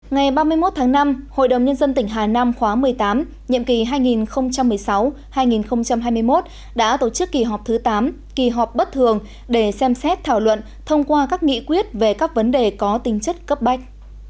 ngày ba mươi một tháng năm hội đồng nhân dân tỉnh hà nam khóa một mươi tám nhiệm kỳ hai nghìn một mươi sáu hai nghìn hai mươi một đã tổ chức kỳ họp thứ tám kỳ họp bất thường để xem xét thảo luận thông qua các nghị quyết về các vấn đề có tính chất cấp bách